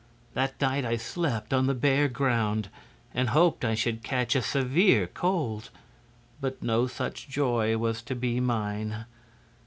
That night I slept on the bare ground, and hoped I should catch a severe cold; but no such joy was to be mine.